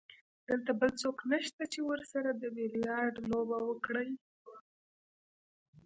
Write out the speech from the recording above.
دلته بل څوک نشته چې ورسره د بیلیارډ لوبه وکړي.